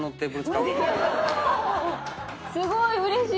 すごいうれしい！